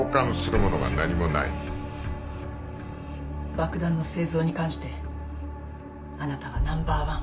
爆弾の製造に関してあなたはナンバーワン。